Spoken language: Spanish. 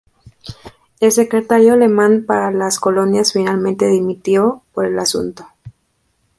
El secretario alemán para las colonias finalmente dimitió por el asunto.